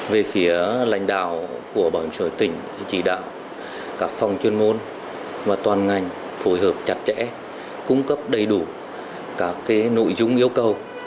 chỉ đạo các phòng chuyên môn và toàn ngành phối hợp chặt chẽ cung cấp đầy đủ các nội dung yêu cầu